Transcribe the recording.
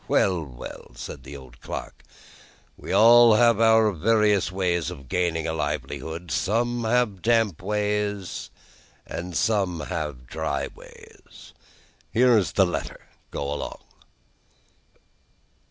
"Well, well," said the old clerk; "we all have our various ways of gaining a livelihood. Some of us have damp ways, and some of us have dry ways. Here is the letter. Go along."